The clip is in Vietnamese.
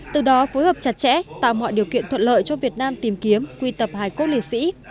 từ đó phối hợp chặt chẽ tạo mọi điều kiện thuận lợi cho việt nam tìm kiếm quy tập hải quốc liệt sĩ